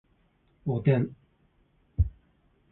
おでん